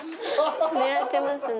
狙ってますね。